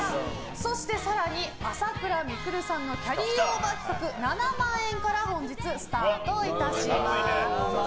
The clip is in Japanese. そして更に、朝倉未来さんのキャリーオーバー企画７万円から本日スタートいたします。